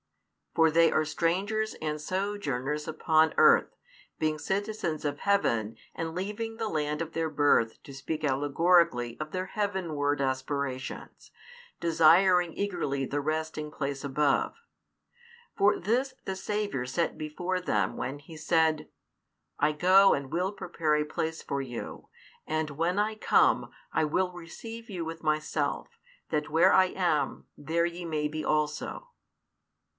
For they are strangers and sojourners upon earth, being citizens of heaven and leaving the land of their birth to speak allegorically of their heavenward aspirations, desiring eagerly the resting place above. For this the Saviour set before them when He said, I go and will prepare a place for you; and when I come, I will receive you with Myself; that where I am, there ye may be also.